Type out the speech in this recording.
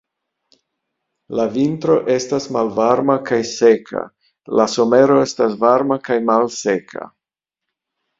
La vintro estas malvarma kaj seka, la somero estas varma kaj malseka.